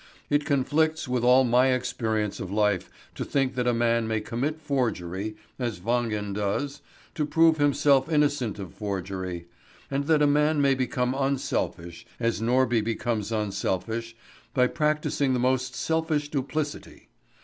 It conflicts with all my experience of life to think that a man may commit forgery, as Wangen does, to prove himself innocent of forgery, and that a man may become unselfish, as Norby becomes unselfish, by practising the most selfish duplicity.